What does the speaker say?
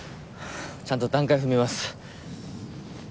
ちゃんと段階踏みます。